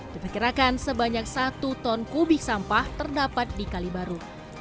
diperkirakan sebanyak satu ton kubik sampah terdapat di kalibaru